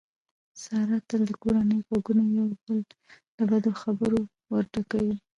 ساره تل د کورنۍ غوږونه د یو او بل له بدو خبرو ورډکوي.